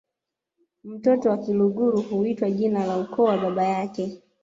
Mtoto wa Kiluguru huitwa jina la ukoo wa baba yake